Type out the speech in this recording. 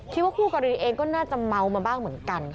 คิดว่าคู่กับอีกนิดเองก็น่าจะเมามาบ้างเหมือนกัน